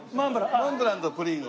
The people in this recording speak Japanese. モンブランとプリンを。